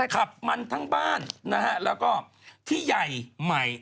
ขับมันทั้งบ้านนะฮะแล้วก็ที่ใหญ่ใหม่